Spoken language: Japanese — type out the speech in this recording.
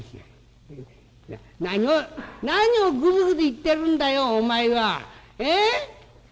「何を何をぐずぐず言ってるんだよお前は。ええ？